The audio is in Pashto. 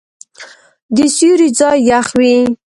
د سیوري ځای یخ وي.